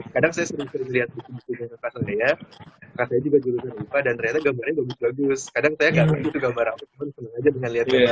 kadang kadang saya juga juga juga dan ternyata gambarnya bagus bagus kadang kadang